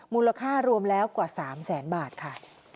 มูลค่ารวมแล้วกว่า๓แสนบาทค่ะ